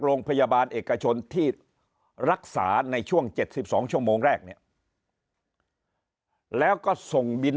โรงพยาบาลเอกชนที่รักษาในช่วง๗๒ชั่วโมงแรกเนี่ยแล้วก็ส่งบิน